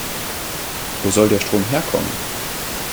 Wo soll der Strom herkommen?